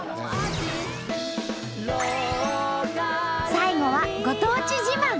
最後はご当地自慢！